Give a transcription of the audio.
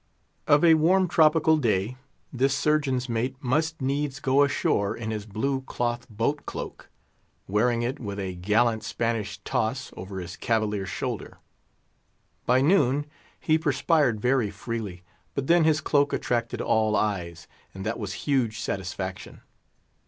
Of a warm tropical day, this Surgeon's mate must needs go ashore in his blue cloth boat cloak, wearing it, with a gallant Spanish toss, over his cavalier shoulder. By noon, he perspired very freely; but then his cloak attracted all eyes, and that was huge satisfaction.